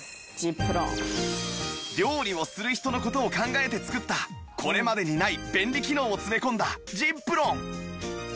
料理をする人の事を考えて作ったこれまでにない便利機能を詰め込んだ ｚｉｐｒｏｎ